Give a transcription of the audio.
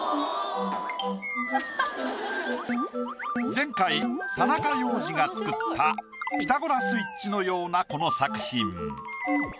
前回田中要次が作ったピタゴラスイッチのようなこの作品。